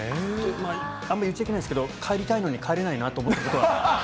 あんま言っちゃいけないんですけど、帰りたいのに帰れないなと思